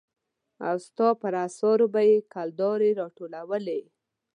او ستا پر اثارو به يې کلدارې را ټولولې.